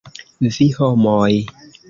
Vi, homoj!